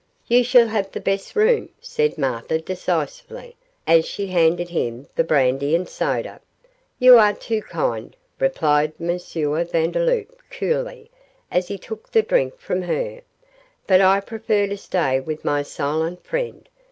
'You shall have the best room,' said Martha, decisively, as she handed him the brandy and soda. 'You are too kind,' replied M. Vandeloup, coolly, as he took the drink from her, 'but I prefer to stay with my silent friend.